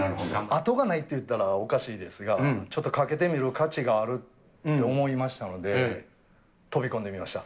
後がないと言ったらおかしいですが、ちょっと懸けてみる価値があるって思いましたので、飛び込んでみました。